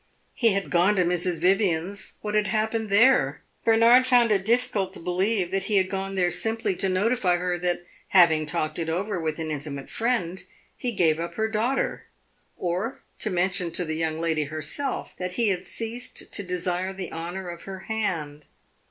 He had gone to Mrs. Vivian's what had happened there? Bernard found it difficult to believe that he had gone there simply to notify her that, having talked it over with an intimate friend, he gave up her daughter, or to mention to the young lady herself that he had ceased to desire the honor of her hand.